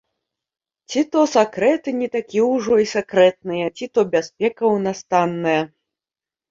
Ці то сакрэты не такія ўжо і сакрэтныя, ці то бяспека ў нас танная.